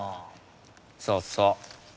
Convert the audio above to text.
そうそう。